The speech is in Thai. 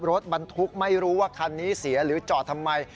รถบรรทุกไม่รู้ว่าคันนี้เสียหรือจอดทำไม